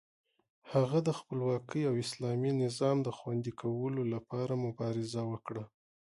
هغه د خپلواکۍ او اسلامي نظام د خوندي کولو لپاره مبارزه وکړه.